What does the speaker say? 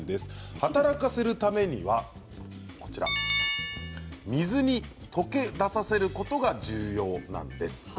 働かせるためには水に溶け出させることが重要なんです。